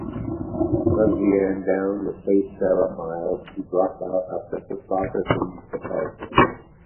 Lesley-Anne Down replaced Sarah Miles, who dropped out after Kristofferson's departure.